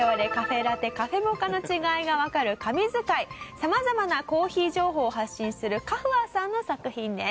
様々なコーヒー情報を発信するＣＡＦＵＡさんの作品です。